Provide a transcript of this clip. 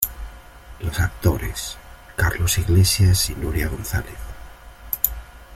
Los actores: Carlos Iglesias y Nuria González.